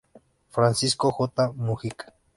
Francisco J. Múgica.